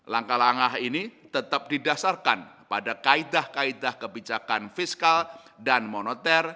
langkah langkah ini tetap didasarkan pada kaedah kaedah kebijakan fiskal dan moneter